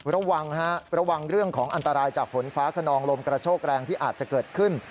ระวังฮะระวังเรื่องของอันตรายจากฝนฟ้าขนองลมกระโชกแรงที่อาจจะเกิดขึ้น